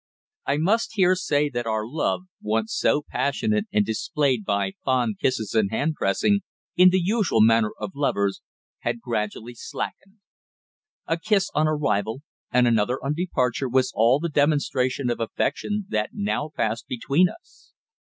I must here say that our love, once so passionate and displayed by fond kisses and hand pressing, in the usual manner of lovers, had gradually slackened. A kiss on arrival and another on departure was all the demonstration of affection that now passed between us.